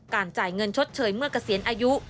จ่ายเงินชดเชยเมื่อเกษียณอายุ